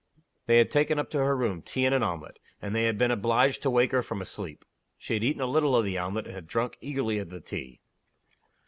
They had taken up to her room tea and an omelet; and they had been obliged to wake her from a sleep. She had eaten a little of the omelet, and had drunk eagerly of the tea.